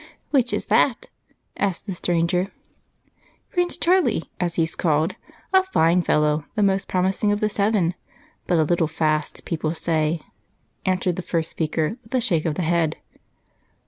"Which is that?" asked the stranger. "Prince Charlie, as he's called a fine fellow, the most promising of the seven, but a little fast, people say," answered the first speaker with a shake of the head.